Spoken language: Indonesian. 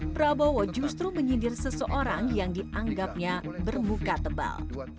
prabowo justru menyindir seseorang yang dianggapnya bermuka tebal